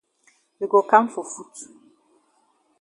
We go kam for foot.